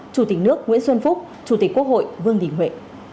chủ tịch nước nguyễn xuân phúc chủ tịch quốc hội vương đình huệ